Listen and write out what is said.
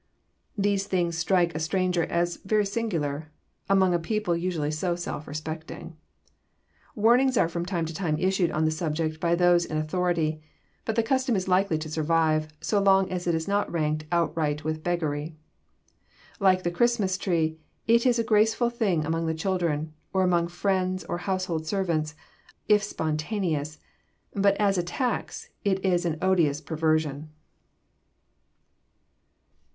These things strike a stranger as very singular, among a people usually so self respecting. Warnings are from time to time issued on this subject by those in authority, but the custom is likely to survive so long as it is not ranked outright with beggary. Like the Christmas tree, it is a graceful thing among the children, or among friends or household servants, if spontaneous; but as a tax, it is an odious perversion.